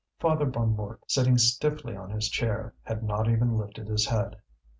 Father Bonnemort, seated stiffly on his chair, had not even lifted his head.